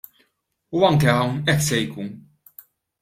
U anke hawn hekk se jkun.